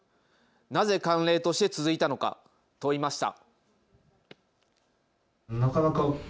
なぜ慣例として続いたのか問いました。